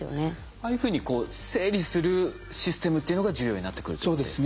ああいうふうに整理するシステムというのが重要になってくるということですね。